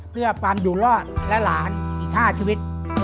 เพื่อความอยู่รอดและหลานอีก๕ชีวิต